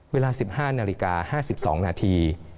เวลา๑๕นาฬิกา๕๒นาที